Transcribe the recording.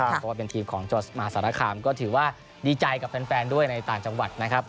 เพราะว่าเป็นทีมของจังหวัดมหาสารคามก็ถือว่าดีใจกับแฟนด้วยในต่างจังหวัดนะครับ